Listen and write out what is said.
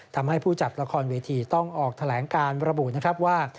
ทำให้ผู้จัดละครเวทีต้องออกแถลงการระบุนะครับว่า